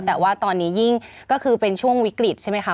แต่ว่าตอนนี้ยิ่งก็คือเป็นช่วงวิกฤตใช่ไหมคะ